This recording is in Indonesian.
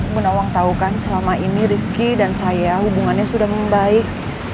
bu nawang tahu kan selama ini rizky dan saya hubungannya sudah membaik